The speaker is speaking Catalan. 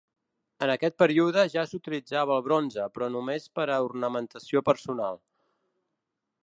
En aquest període ja s'utilitzava el bronze, però només per a ornamentació personal.